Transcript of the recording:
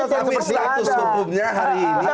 tapi status hukumnya hari ini